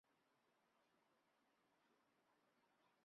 你去楼下阿姨那儿买三个苹果回来。